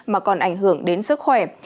mà còn ảnh hưởng đến sức khỏe